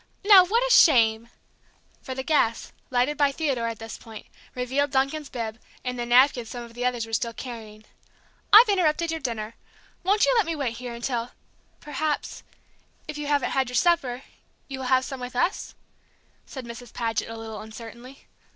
Now, what a shame!" for the gas, lighted by Theodore at this point, revealed Duncan's bib, and the napkins some of the others were still carrying. "I've interrupted your dinner! Won't you let me wait here until " "Perhaps if you haven't had your supper you will have some with us," said Mrs. Paget, a little uncertainly.